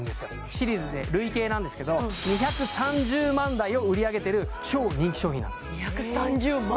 シリーズで累計なんですけど２３０万台を売り上げてる超人気商品なんです２３０万